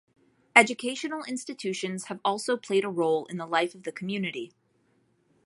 Educational institutions have also played a role in the life of the community.